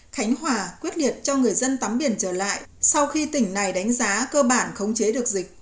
khánh hòa quyết liệt cho người dân tắm biển trở lại sau khi tỉnh này đánh giá cơ bản khống chế được dịch